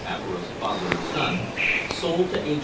Everest, father and son sold to H.